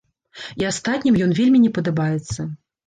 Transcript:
І астатнім ён вельмі не падабаецца.